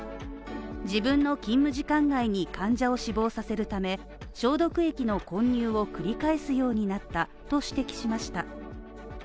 自分の勤務時間外に患者を死亡させるため、消毒液の混入を繰り返すようになったと指摘しました。